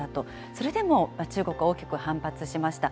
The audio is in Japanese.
それでも中国は大きく反発しました。